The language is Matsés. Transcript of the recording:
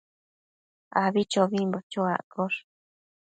abichobimbo chuaccosh